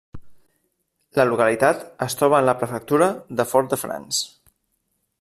La localitat es troba en la prefectura de Fort-de-France.